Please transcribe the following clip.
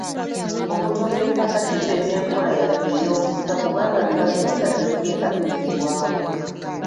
Okutunda ettaka kifeebya enkola yaffe ey’obusika kubanga bye batunda tebigenda kuzzibwawo.